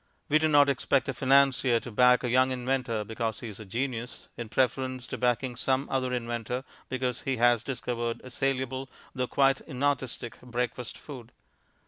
We do not expect a financier to back a young inventor because he is a genius, in preference to backing some other inventor because he has discovered a saleable, though quite inartistic, breakfast food.